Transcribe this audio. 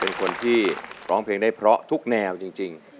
เป็นคนที่ร้องเพลงได้เพราะทุกแนวจริง